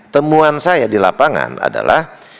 temuan saya di lapangan adalah